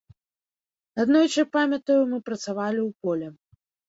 Аднойчы, памятаю, мы працавалі ў полі.